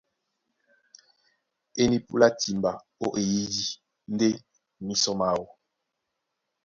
E nípúlá timba ó eyídí ndé mísɔ máō.